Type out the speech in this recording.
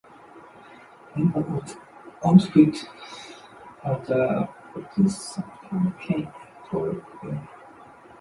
Members of the outfit are the producers Paul Kane and Paul Pringle.